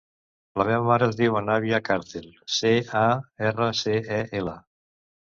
La meva mare es diu Anabia Carcel: ce, a, erra, ce, e, ela.